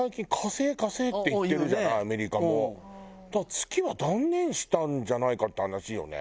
月は断念したんじゃないかって話よね。